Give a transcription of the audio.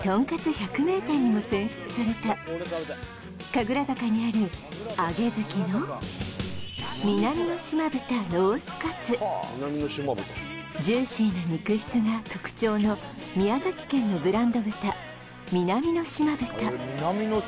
百名店にも選出された神楽坂にあるあげづきのジューシーな肉質が特徴の宮崎県のブランド豚南の島豚